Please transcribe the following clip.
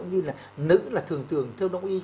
nữ là thường thường theo đồng ý